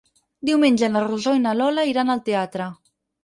Diumenge na Rosó i na Lola iran al teatre.